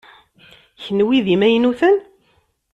Kenwi d imaynuten?